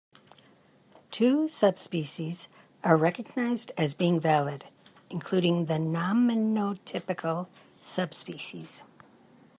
Two subspecies are recognized as being valid, including the nominotypical subspecies.